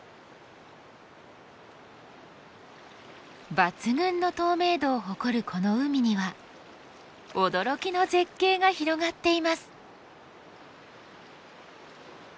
抜群の透明度を誇るこの海には驚きの絶景が広がっています。